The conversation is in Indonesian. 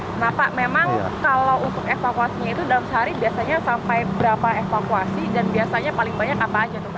kenapa memang kalau untuk evakuasinya itu dalam sehari biasanya sampai berapa evakuasi dan biasanya paling banyak apa saja